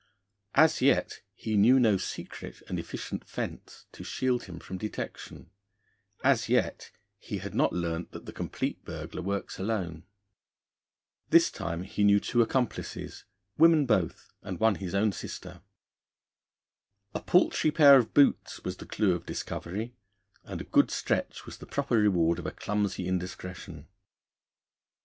As yet he knew no secret and efficient fence to shield him from detection; as yet he had not learnt that the complete burglar works alone. This time he knew two accomplices women both, and one his own sister! A paltry pair of boots was the clue of discovery, and a goodly stretch was the proper reward of a clumsy indiscretion.